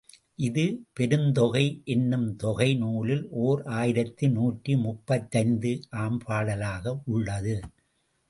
இது, பெருந்தொகை என்னும் தொகை நூலில் ஓர் ஆயிரத்து நூற்றி முப்பத்தைந்து ஆம் பாடலாக உள்ளது.